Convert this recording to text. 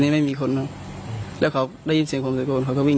นี่ไม่มีคนแล้วเขาได้ยินเสียงโฆมสะโกนเขาก็วิ่ง